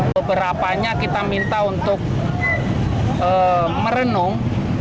beberapanya kita minta untuk merenung